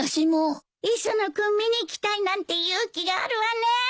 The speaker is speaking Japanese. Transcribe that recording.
磯野君見に行きたいなんて勇気があるわねえ。